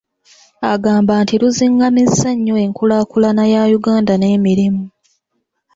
Agamba nti luzingamizza nnyo enkulaakulana ya Uganda n’emirimu.